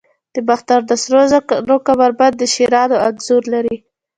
د باختر د سرو زرو کمربند د شیرانو انځور لري